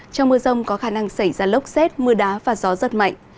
trong mưa rông có khả năng xảy ra lốc xét mưa đá và gió rất mạnh